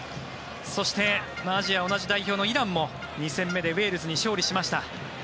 そして、アジアの同じ代表のイランも２戦目でウェールズに勝利しました。